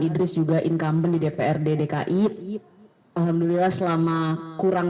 idris juga income di dprd dki alhamdulillah selama kurangnya